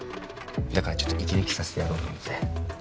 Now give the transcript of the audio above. だからちょっと息抜きさせてやろうと思って。